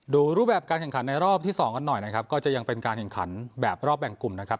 ดูรูปแบบการแข่งขันในรอบที่สองกันหน่อยนะครับก็จะยังเป็นการแข่งขันแบบรอบแบ่งกลุ่มนะครับ